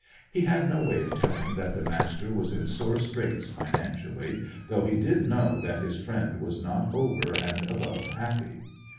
He had no way of telling that the Master was in sore straits financially, though he did know that his friend was not over and above happy.